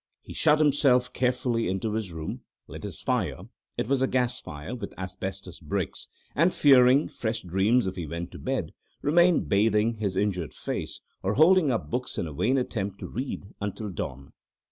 He shut himself carefully into his room, lit his fire—it was a gas fire with asbestos bricks—and, fearing fresh dreams if he went to bed, remained bathing his injured face, or holding up books in a vain attempt to read, until dawn.